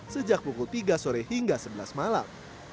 sejak pukul tiga sore hingga sebelas malam